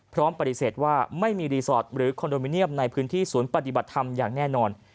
พร้อมปฏิเสธว่าไม่มีรีสอร์ทหรือคอนโดมิเนียมในพื้นที่ศูนย์ปฏิบัติธรรมอย่างแน่นอน